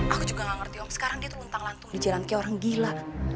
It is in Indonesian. aku juga gak ngerti om sekarang dia itu untang lantung di jalan kayak orang gila